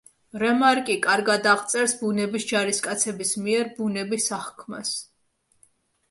რემარკი კარგად აღწერს ბუნების ჯარისკაცების მიერ ბუნების აღქმას.